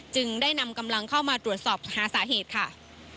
จึงได้นำกำลังเข้ามาตรวจสอบหาสาเหตุค่ะ